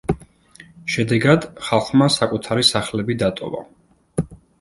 შედეგად, ხალხმა საკუთარი სახლები დატოვა.